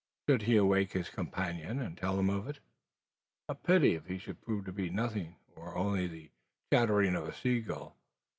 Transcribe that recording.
Should he awake his companion and tell him of it? A pity, if it should prove to be nothing, or only the chattering of a sea gull.